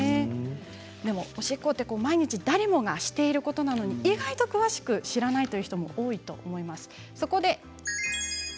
でもおしっこは毎日誰もがしていることなのに意外と詳しく知らないという人も多いと思います。